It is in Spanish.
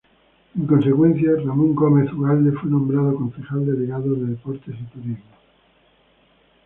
En consecuencia, Ramón Gómez Ugalde fue nombrado concejal delegado de Deportes y Turismo.